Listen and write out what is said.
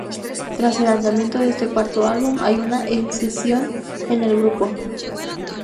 Tras el lanzamiento de este cuarto álbum, hay una escisión en el grupo.